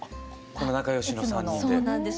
この仲良しの３人で。